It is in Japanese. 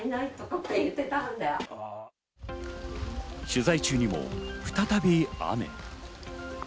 取材中にも再び雨。